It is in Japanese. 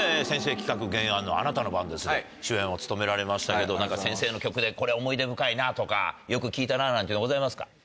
先生企画・原案の『あなたの番です』で主演を務められましたけど何か先生の曲でこれ思い出深いなとかよく聴いたなんていうのございますか？